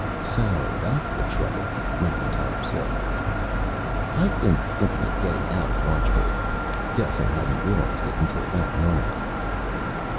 "So that's the trouble," Macintyre said. "I've been thinking of getting out of watchbird." Gelsen hadn't realized it until that moment.